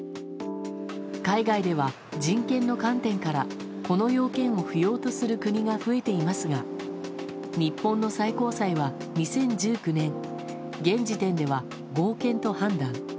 海外では人権の観点からこの要件を不要とする国が増えていますが日本の最高裁は２０１９年現時点では合憲と判断。